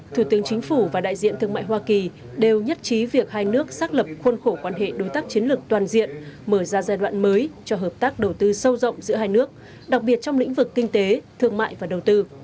thủ tướng chính phủ và đại diện thương mại hoa kỳ đều nhất trí việc hai nước xác lập khuôn khổ quan hệ đối tác chiến lược toàn diện mở ra giai đoạn mới cho hợp tác đầu tư sâu rộng giữa hai nước đặc biệt trong lĩnh vực kinh tế thương mại và đầu tư